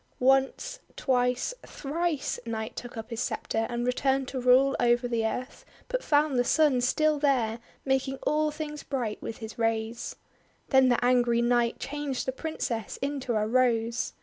Once, twice, thrice, Night took up his sceptre, and returned to rule over the earth, but found the Sun still there, making all things bright with his rays. Then the angry Night changed the Princess into a Rose.